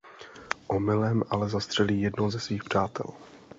Omylem ale zastřelí jednoho ze svých přátel.